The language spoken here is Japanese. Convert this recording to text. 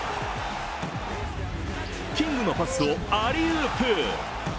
キングのパスをアリウープ。